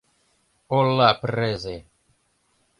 — Ола презе!